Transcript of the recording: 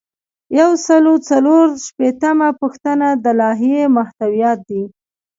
یو سل او څلور شپیتمه پوښتنه د لایحې محتویات دي.